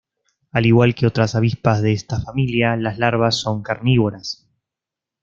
Al igual que otras avispas de esta familia las larvas son carnívoras.